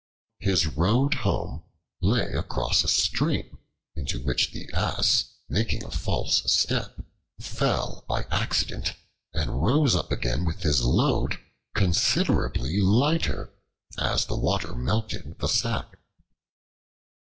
His road home lay across a stream into which his Ass, making a false step, fell by accident and rose up again with his load considerably lighter, as the water melted the sack.